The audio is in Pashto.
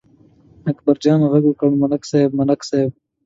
اکبرجان غږ وکړ: ملک صاحب، ملک صاحب!